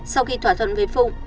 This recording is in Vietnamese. sau khi thỏa thuận với phụng